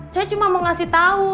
saya cuma mau ngasih tahu